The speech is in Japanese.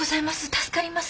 助かります。